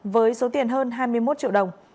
với số tiền hơn hai mươi một triệu đồng